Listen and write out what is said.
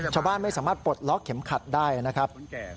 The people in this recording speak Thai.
ชาวบ้านไม่สามารถปลดล็อคเข็มขัดได้นะครับ